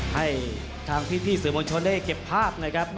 ให้ทางพี่สื่อมวลชนได้เก็บภาพนะครับ